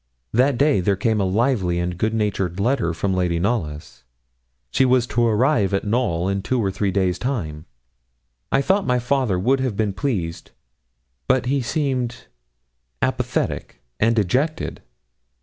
That day there came a lively and goodnatured letter from Lady Knollys. She was to arrive at Knowl in two or three days' time. I thought my father would have been pleased, but he seemed apathetic and dejected.